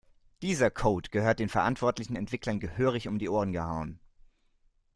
Dieser Code gehört den verantwortlichen Entwicklern gehörig um die Ohren gehauen.